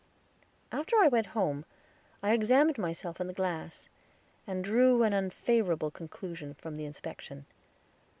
After I went home I examined myself in the glass, and drew an unfavorable conclusion from the inspection.